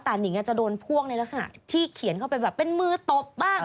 แต่นิงจะโดนพวกในลักษณะที่เขียนเข้าไปแบบเป็นมือตบบ้าง